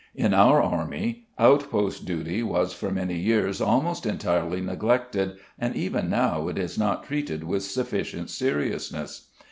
In our Army outpost duty was for many years almost entirely neglected, and even now it is not treated with sufficient seriousness.